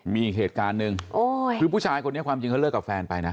มีอีกเหตุการณ์หนึ่งคือผู้ชายคนนี้ความจริงเขาเลิกกับแฟนไปนะ